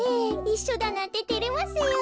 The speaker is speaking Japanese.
いっしょだなんててれますよ。